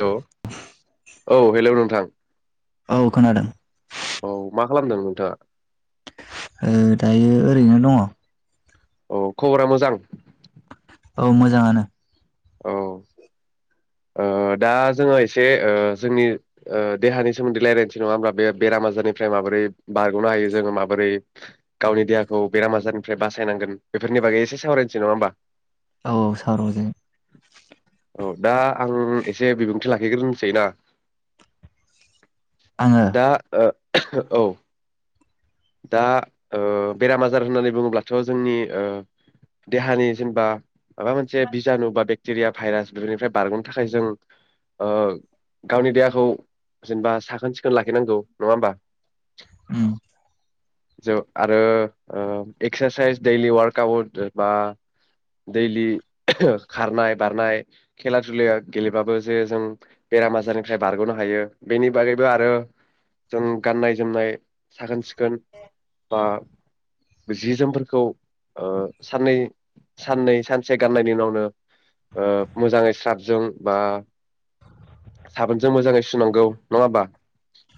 Hello औ hello नोंथां। औ खोनादों। औ मा खालामदों नोंथाङा? ओ दायो ओरैनो दङ। औ खबरा मोजां? औ मोजाङानो। औ ओ दा जोङो एसे ओ जोंनि ओ देहानि सोमोन्दै रायज्लायनोसै नङा होमबा बे बेराम आजारनिफ्राय माबोरै बारगनो हायो जोङो माबोरै गावनि देहाखौ बेराम आजारनिफ्राय बासायनांगोन बेफोरनि बागै एसे सावरायनोसै नङा होमबा। औ सावराय जायो। औ दा आं एसे बिबुंथि लाखिग्रोनोसै ना? आङो दा ओ औ दा ओ बेराम आजार होननानै बुङोब्लाथ' जोंनि ओ देहानि जेनेबा माबा मोनसे बिजानु बा बेक्टेरिया भाइरास बेफोरनिफ्राय बारग'नो थाखाय जों ओ गावनि देहाखौ जेनेबा सा खोन सिखोन लाखिनांगौ नङा होमबा उम ज आरो ओ एक्सारसाइस दैलि वार्कआउट बा दैलि खारनाय बारनाय खेला दुला गेलेबाबो जे जों बेराम आजारनिफ्राय बारग'नो हायो बेनि बागैबो आरो जों गाननाय जोमनाय साखोन सिखोन बा जि जोमफोरखौ ओ साननै साननै सानसे गाननायनि उनावनो ओ मोजाङै स्राबजों बा साबोनजों मोजाङै सुनांगौ नङा होमबा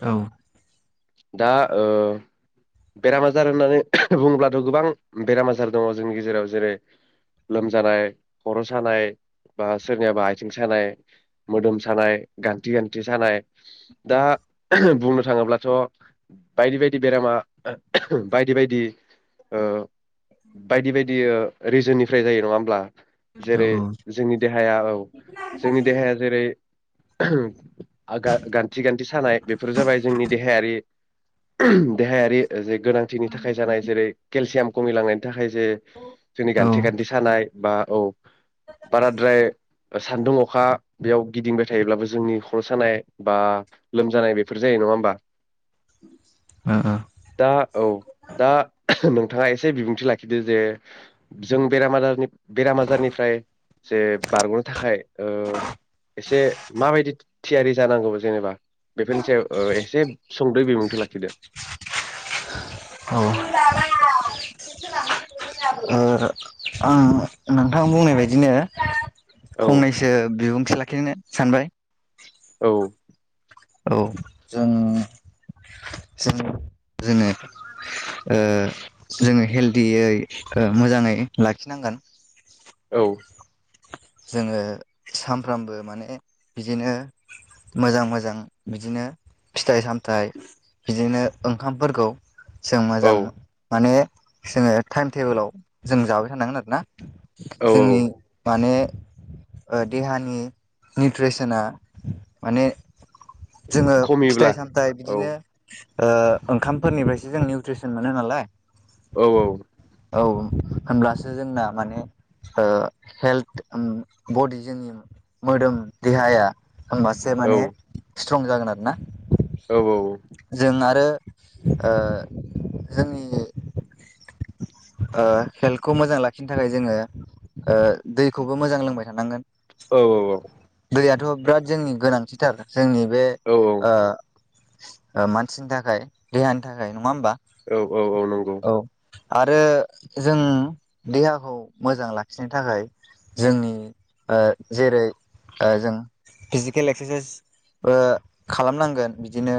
औ दा ओ बेराम आजार होननानै बुंब्लाथ' गोबां बेराम आजार दङ जोंनि गेजेराव जेरै लोमजानाय खर' सानाय बा सोरनियाबा आथिं सानाय मोदोम सानाय गान्थि गान्थि सानाय दा बुंनो थाङोब्लाथ' बायदि बायदि बेरामा बायदि बायदि ओ बायदि बायदि रिजोननिफ्राय जायो नङा होमब्ला औ जेरै ओ जोंनि दे हाया औ जोंनि देहाया जेरै गान्थि गान्थि सानाय बेफोर जाबाय जोंनि देहायारि देहायारि जे गोनांथिनि थाखाय जानाय जेरै केलसियाम खमिलांनायनि थाखाय जे जोंनि ओ गान्थे गान्थे सानाय बा औ बाराद्राय सान्दुं अखा बेयाव गिदिंबाय थायोब्लाबो जोंनि खर' सानाय बा लोमजानाय बेफोर जायो नङा होमबा दा औ दा नोंथाङा एसे बिबुंथि लाखिदो जे जों बेराम आजार बेराम आजारनिफ्राय जे बारग'नो थाखाय ओ एसे माबायदि थियारि जानांगौ जेनेबा बेफोरनि सायाव ओ एसे सुंदयै बिबुंथि लाखिदो औ ओ आं नोंथां बुंनाय बायदिनो औ फंनैसो बिबुं थि लाखिनो सानबाय औ औ जों जों जोङो ओ जोङो हेलदियै मोजाङै लाखिनांगोन औ जोङो सानफ्रामबो माने बिदिनो मोजां मोजां बिदिनो फिथाइ सामथाइ बिदिनो ओंखामफोरखौ जों औ मोजां माने जोङो टाइम टेबोलाव जों जाबाय थानांगोन आरो ना औ जोंनि माने ओ देहानि निउट्रिसना माने जोङो खमियोब्ला फिथाइ सामथाइ औ बिदिनो ओ ओंखामफोरनिफ्रायसो जों निउट्रिसन मोनो नालाय औ औ औ होनब्लासो जोंना माने ओ हेल्थ ओम बडि जोंनि मोदोम देहाया होमबासो औ माने स्ट्ं जागोन आरो ना औ औ जों आरो ओ जोंनि ओ हेल्थखौ मोजां लाखिनो थाखाय जोङो ओ दै खौबो मोजां लोंबाय थानांगोन। औ औ औ दैयाथ' बिराद जोंनि गोनांथिथार जोंनि बे औ ओ मानसिनि थाखाय देहानि थाखाय नङा होमबा? औ औ औ नंगौ। आरो जों देहाखौ मोजां लाखिनो थाखाय जोंनि ओ जेरै जों फिजिकेल एक्सारसाइसबो खालामनांगोन बिदिनो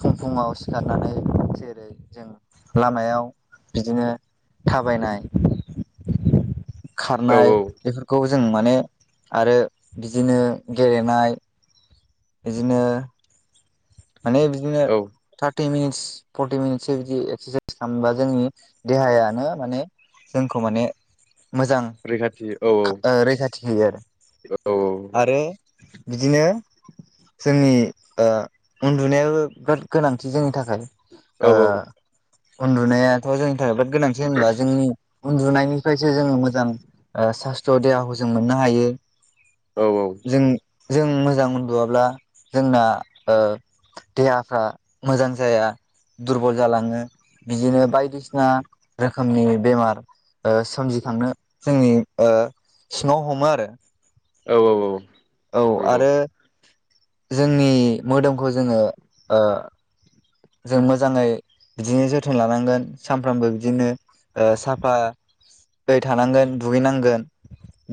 फुं फुङाव सिखारनानै जेरै जों लामायाव बिदिनो थाबायनाय औ खारनाय औ बेफोरखौ जों माने आरो बिदिनो गेलेनाय। बिदिनो माने बिदिनो औ फर्टि मिनिटस फर्टि मिनिटस बिदि एक्सारसाइस खालामबा जोंनि देहायानो माने जोंखौ माने मोजां रैखाथि औ औ ओ रैखाथि थियो आरो औ औ आरो बिदिनो जोंनि उन्दुनायाबो बिराद गोनांथि जोंनि थाखाय ओ औ उन्दुनायाथ' जोंनि थाखाय बा गोनांथि होनबा जोंनि उन्दुनायनिफ्रायसो जोङो मोजां ओ सास्थ' देहाखौ जों मोननो हायो। औ औ जों जों मोजां उन्दुआब्ला जोंना ओ देहाफ्रा मोजां जाया दुरबल जालाङो बिदिनो बायदिसिना रोखोमनि बेमार ओ सोमजिखांनो जोंनि ओ सिङाव हमो आरो। औ औ औ औ आरो जोंनि मोदोमखौ जोङो ओ। जों मोजाङै बिदिनो जोथोन लानांगोन सानफ्रामबो बिदिनो साफायै थानांगोन दुगैनांगोन।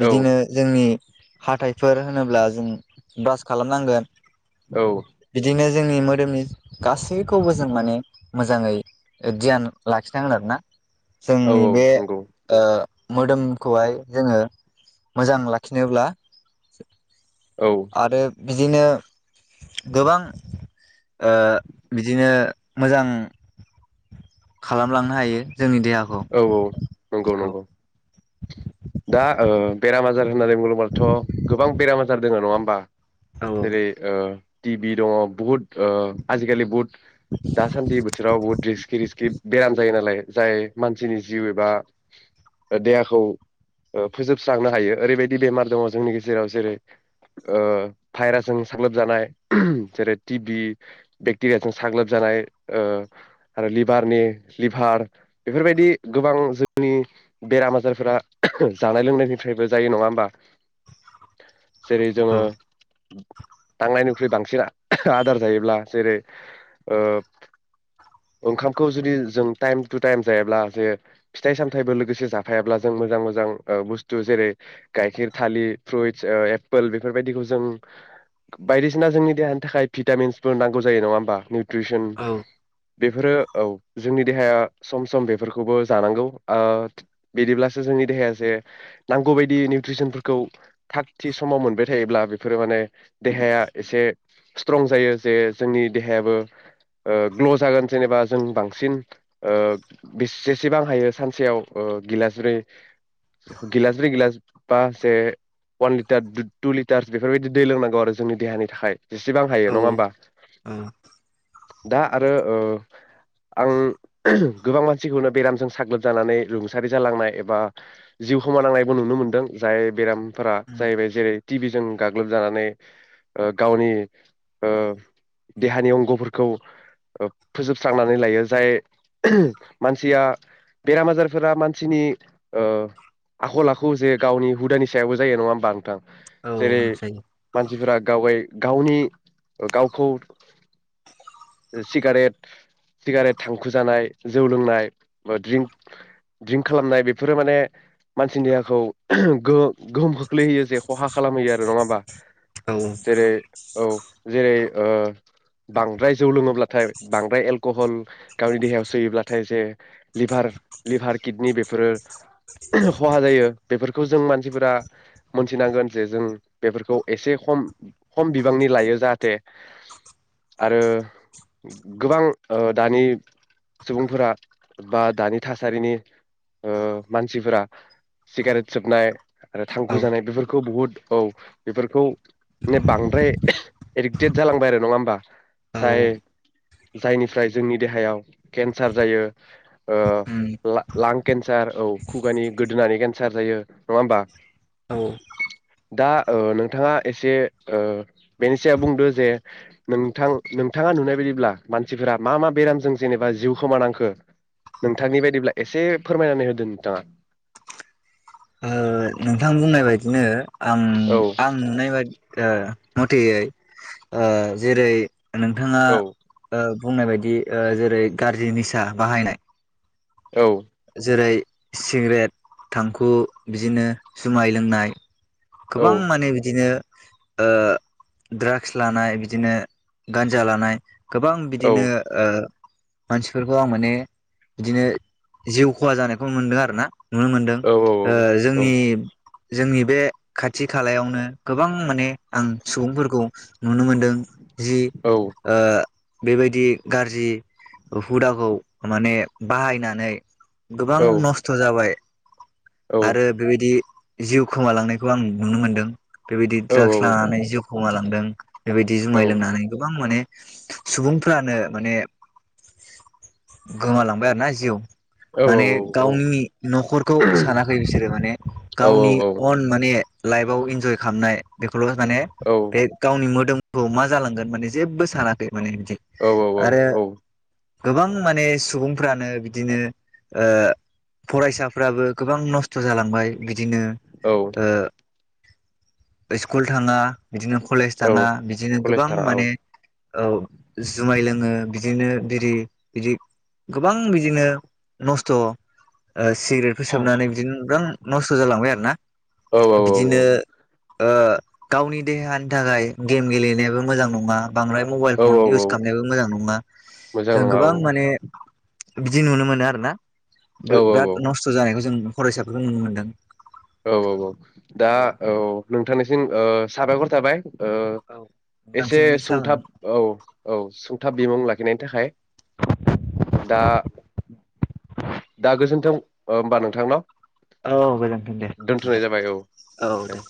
औ बिदिनो जोंनि हाथाइफोर होनोब्ला जों ब्रास खालामनांगोन। औ बिदिनो जोंनि मोदोमनि गासै गासैखौबो जों माने मोजाङै धयान लाखिनांगोन आरो ना। जोंनि बे नंगौ मोदोमखौहाय जोङो मोजां लाखिनोब्ला औ आरो बिदिनो गोबां ओ बिदिनो मोजां खालामलांनो हायो जोंनि देहाखौ औ दा ओ बेराम आजार होननानै बुङोबाथ' गोबां बेाम आजार दोङो नङा होमबा? जेरै ओ टि भि दङ बहुत ओ आजिखालि बहुद दासानदि बोथोरा बहुत रिसकि रिसकि बेराम जायो नालाय जाय मानसिनि जिउ एबा देहाखौ ओ फोजोबस्रांनो हायो ओरैबायदि बेमार दङ जोंनि गेजेराव जेरै ओ भाइरासजों साग्लोबजानाय जेरै टिभि बेक्टेरियाजों साग्लोबजानाय ओ आरो लिभारनि लिभार बेफोरबायदि गोबां जोंनि बेराम आजारफोरा जानाय लोंनायनिफ्रायबो जायो नङा होमबा जेरै जोङो नांनायनिख्रुइ बांसिन आदार जायोब्ला जेरै ओ ओंखामखौ जुदि जों टाइम टु टाइम जायाब्ला जे फिथाइ सामथायाइबो लोगोसे जाफायाब्ला जों मोजां मोजां ओ बुस्थु जेरै गाइखेर थालिर फ्रुइटस ओ एपोल बेफोरबायदिखौ जों बायदिसिना जोंनि देहानि थाखाय भिटामिन्सफोर नांगौ जायो नङा होनबा ट्रिउसन बेफोरो औ जोंनि देहाया सम सम बेफोरखौबो जानांगौ ओ बिदिब्लासो जोंनि देहाया जे नांगौ बायदि निउट्रिसनफोरखौ थाग थि समाव मोनबाय थायोब्ला बेफोरो माने देहाया एसे स्ट्रं जायो जे जोंनि देहायाबो ओ ग्ल' जागोन जेनेबा जों बांसिन ओ बेसेसो बां हायो सानसेयाव ओ गिलास ब्रै गिलास ब्रै गिलास बासे वान लिटार टु लिटारस बेफोरबायदि दै लोंनांगौ आरो जोंनि देहानि थाखाय जेसेबां हायो नङा होमबा दा आरो ओ आं गोबां मानसिखौनो बेरामजों साग्लोबजानानै रुंसारि जालांनाय एबा जिउ खोमानांनायबो नुनो मोनदों जाय बेराम फोरा जाहैबाय जेरै टिभिजों गाग्लोबजानानै ओ गावनि ओ देहानि अंग'फोरखौ ओ फोजोबस्रांनानै लायो जाय मानसिया बेराम आजारफोरा मानसिनि ओ आखल आखु जे गावनि हुदानि सायावबो जायो नङा होमबा नोंथां औ जेरै उम जायो मानसिफोरा गाव गाय गावनि गावखौ सिगारेट सिगारेट थां खु जानाय जौ लोंनाय बा ड्रिंक खालामनाय बेफोरो माने मानसि देहाखौ गोहो गोहोम खोख्लैहैयो जे खहा खालामहैयो आरो नङा होमबा? औ जेरै औ जेरै ओ बांद्राय जौ लोङोब्लाथाय बांद्राय एलक'हल गावनि देहायाव सोयोब्लाथाय जे लिभार लिभार किडनि बेफोरो खहा जायो बेफोरखौ जों मानसिफोरा मोनथिनांगोन जे जों बेफोरखौ एसे खम खम बिबांनि लायो जाहाथे आरो गोबां ओ दानि सुबुंफोरा बा दानि थासारिनि ओ मानसिफोरा सिगारेट सोबनाय आरो औ थांखु जानाय बेफोरखौ बुहुद औ बेफोरखौ मे बांद्राय एडिक्टेट जालांबाय आरो नङा होमबा औ जाय जायनिफ्राय जोंनि देहायाव केन्सार जायो उम लां केन्सार औ खुगानि गोदोनानै केन्सार जायो नङा होमबा औ ओ दा नोंथाङा एसे बेनि सायाव बुंदो जे नोंथां नोंथाङा नुनाय बायदिब्ला मानसिफोरा मा मा बेरामजों जेनेबा जिउ खोमानांखो नोंथांनि बायदिब्ला एसे फोरमायनानै होदों नोंथाङा नोंथां बुंनाय बायदिनो आं औ आं नुनाय बादि मथेयै ओ जेरै नोंथाङा औ ओ बुंनाय बायदि जेरै गाज्रि निसा बाहायनाय औ जेरै सिगारेट थांखु बिदिनो जुमाय लोंनाय गोबां माने बिदिनो ओ ड्रागस लानाय बिदिनो गान्जा लानाय गोबां औ बिदिनो मानसिफोरखौ आं माने बिदिनो जिउ खहा जानायखौ मोनदों आरो ना नुनो मोनदों औ औ औ जोंनि जोंनि बे खाथि खालायावनो गोबां माने आं सुबुंफोरखौ नुनो मोनो दों जि ओ बेबायदि गाज्रि हुदाखौ माने बाहायनानै गोबां नस्थ' जाबाय आरो बेबायदि जिउ खोमालांनायखौ आं नुनो मोनदों बेबायदि द्राग्स लानानै जिउ खोमालांदों बेबायदि जुमाय लोंनानै गोबां माने सुबुंफ्रानो माने गोमालांबाय आरो ना जिउ माने गावनि न'खरखौ सानाखै बिसोरो माने गावनि अन माने लाइफआव इन्जय खालामनाय बे माने बे गावनि मोदोम औ मा जालांगोन माने जेबो सानाखै माने बिदि आरो गोबां माने सुबुंफ्रानो बिदिनो ओ फरायसाफ्राबो गोबां नस्थ' जालांबाय बिदिनो औ औ स्कुल थाङा बिदिनो कलेज औ थाङा औ बिदिनो कलेज गोबां थाङा औ माने औ जुमाय लोङो बिदिनो बिरि बिदि गोबां बिदिनो नस्थ' ओ सिगारेटफोर औ सोबनानै बिदिनो गोबां नस्थ थ जालांबाय आरो ना। औ औ बिदिनो औ ओ गावनि देहानि थाखाय गेम गेलेनायाबो मोजां नङा। बांद्राय मबाइल औ फन औ इउस खालामनायबो मोजां नङा। मोजां जों नङा औ गोबां माने बिदि नुनो मोनो आरो ना। औ औ बिराद नस्थ जानायखौ जों फरायसाखौ जों नुनो मोन्दों। औ औ औ दा औ नोंथांनिसिम ओ साबायखर थाबाय। ओ एसे नोंथांसिम सुंथाब साबायखर औ औ सुंथाब बिमुं ला नायनि थाखाय दा दा गोजोन्थों होमबा नोंथांनाव औ गोजोनथों दे दोनथ'नाय नोंथां जाबाय औ औ दे।